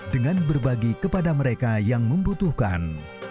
dengan berbagi kepada mereka yang membutuhkan